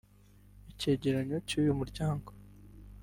Icyegeranyo cy’uyu muryango